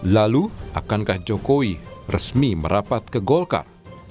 lalu akankah jokowi resmi merapat ke golkar